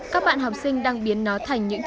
các bạn học sinh đang biến nó thành những loại rác